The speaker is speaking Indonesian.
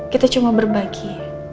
kita cuma berbagi